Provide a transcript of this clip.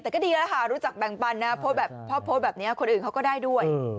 แต่ก็ดีแล้วค่ะรู้จักแบ่งปันนะพอแบบนี้คนอื่นเขาก็ได้ด้วย